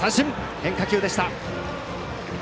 変化球でした。